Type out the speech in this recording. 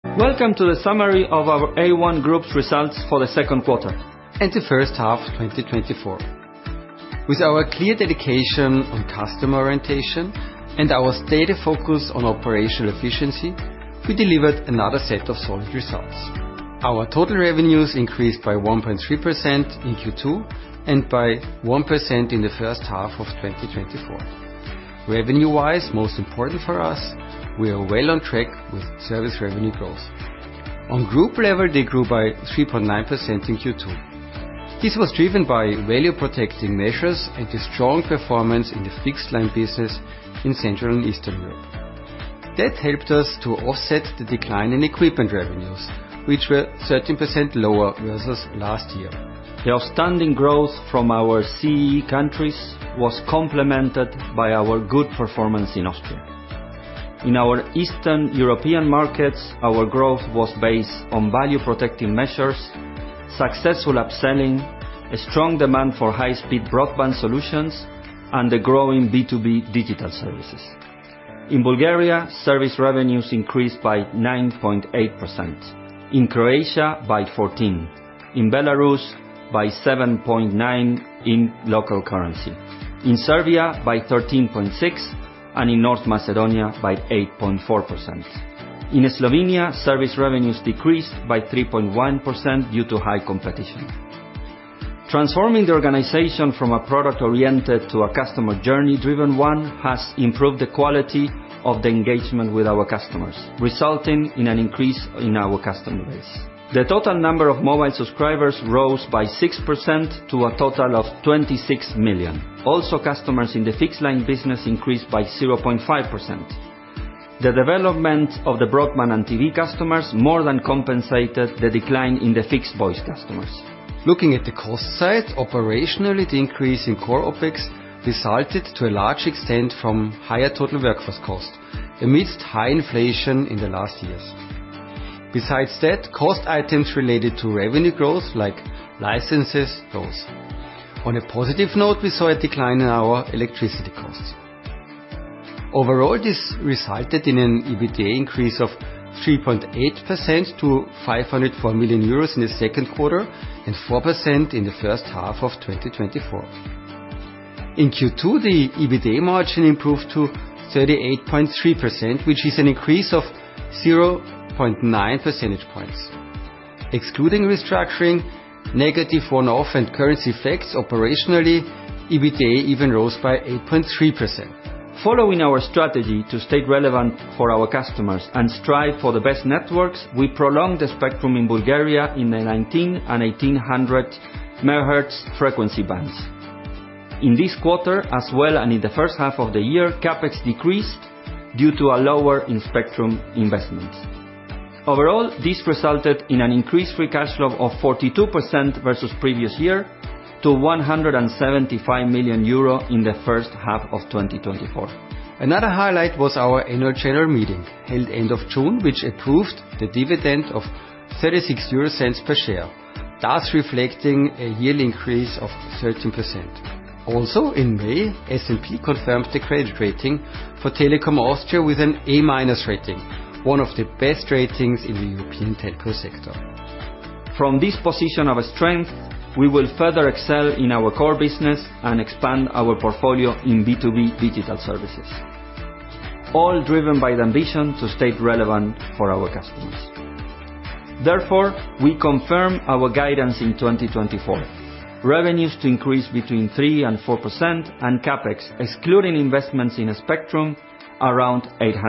...Welcome to the summary of our A1 Group's results for the second quarter and the first half of 2024. With our clear dedication on customer orientation and our stated focus on operational efficiency, we delivered another set of solid results. Our total revenues increased by 1.3% in Q2, and by 1% in the first half of 2024. Revenue-wise, most important for us, we are well on track with service revenue growth. On group level, they grew by 3.9% in Q2. This was driven by value-protecting measures and the strong performance in the fixed-line business in Central and Eastern Europe. That helped us to offset the decline in equipment revenues, which were 13% lower versus last year. The outstanding growth from our CEE countries was complemented by our good performance in Austria. In our Eastern European markets, our growth was based on value-protecting measures, successful upselling, a strong demand for high-speed broadband solutions, and the growing B2B digital services. In Bulgaria, service revenues increased by 9.8%, in Croatia by 14%, in Belarus by 7.9% in local currency, in Serbia by 13.6%, and in North Macedonia by 8.4%. In Slovenia, service revenues decreased by 3.1% due to high competition. Transforming the organization from a product-oriented to a customer journey-driven one has improved the quality of the engagement with our customers, resulting in an increase in our customer base. The total number of mobile subscribers rose by 6% to a total of 26 million. Also, customers in the fixed-line business increased by 0.5%. The development of the broadband and TV customers more than compensated the decline in the fixed voice customers. Looking at the cost side, operationally, the increase in core OpEx resulted to a large extent from higher total workforce cost amidst high inflation in the last years. Besides that, cost items related to revenue growth, like licenses, rose. On a positive note, we saw a decline in our electricity costs. Overall, this resulted in an EBITDA increase of 3.8% to 504 million euros in the second quarter, and 4% in the first half of 2024. In Q2, the EBITDA margin improved to 38.3%, which is an increase of 0.9 percentage points. Excluding restructuring, negative one-off and currency effects, operationally, EBITDA even rose by 8.3%. Following our strategy to stay relevant for our customers and strive for the best networks, we prolonged the spectrum in Bulgaria in the 900 and 1800 megahertz frequency bands. In this quarter as well, and in the first half of the year, CapEx decreased due to a lower spectrum investments. Overall, this resulted in an increased free cash flow of 42% versus previous year to 175 million euro in the first half of 2024. Another highlight was our annual general meeting, held end of June, which approved the dividend of EUR 0.36 per share, thus reflecting a yearly increase of 13%. Also, in May, S&P confirmed the credit rating for Telekom Austria with an A- rating, one of the best ratings in the European telco sector. From this position of strength, we will further excel in our core business and expand our portfolio in B2B digital services, all driven by the ambition to stay relevant for our customers. Therefore, we confirm our guidance in 2024: revenues to increase between 3% and 4%, and CapEx, excluding investments in spectrum, around 800-